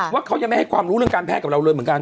ว่าเขายังไม่ให้ความรู้เรื่องการแพทย์กับเราเลยเหมือนกัน